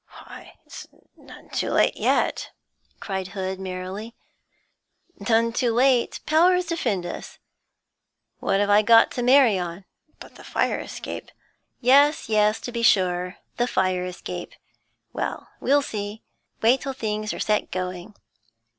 'Why, it's none too late yet,' cried Hood, merrily. 'None too late! Powers defend us! What have I got to marry on?' 'But the fire escape?' 'Yes, yes, to be sure; the fire escape! Well, we'll see; wait till things are set going.